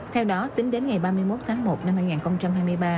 theo đó tính đến ngày ba mươi một tháng một năm hai nghìn hai mươi ba